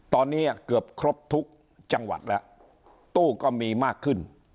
ตอนนี้เกือบครบทุกจังหวัดแล้วตู้ก็มีมากขึ้น